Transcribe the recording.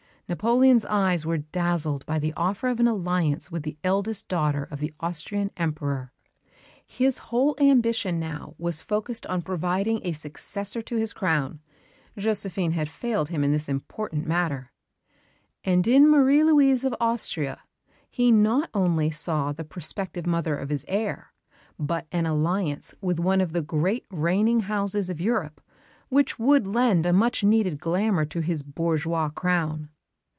Napoleon's eyes were dazzled by the offer of an alliance with the eldest daughter of the Austrian Emperor. His whole ambition now was focused on providing a successor to his crown (Josephine had failed him in this important matter); and in Marie Louise of Austria he not only saw the prospective mother of his heir, but an alliance with one of the great reigning houses of Europe, which would lend a much needed glamour to his bourgeois crown.